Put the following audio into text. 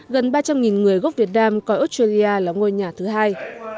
gần ba trăm linh người gốc việt nam coi australia là ngôi nhà thứ hai